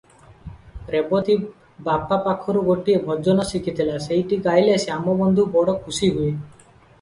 ରେବତୀ ବାପା ପାଖରୁ ଗୋଟିଏ ଭଜନ ଶିଖିଥିଲା ସେଇଟି ଗାଇଲେ ଶ୍ୟାମବନ୍ଧୁ ବଡ଼ ଖୁସି ହୁଏ ।